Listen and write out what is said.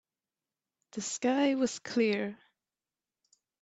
The sky was clear.